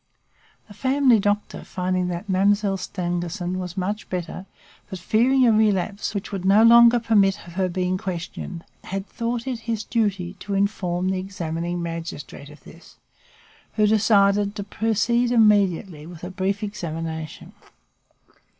The family doctor, finding that Mademoiselle Stangerson was much better, but fearing a relapse which would no longer permit of her being questioned, had thought it his duty to inform the examining magistrate of this, who decided to proceed immediately with a brief examination.